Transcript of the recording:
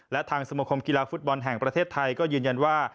และทางสมคมกีฬาฟุตบอลแห่งประเทศไทยก็ยืนยันว่า